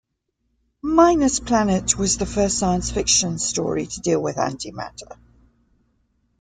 "Minus Planet" was the first science fiction story to deal with antimatter.